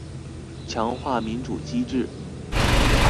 強化民主機制